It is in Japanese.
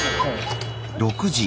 ６時。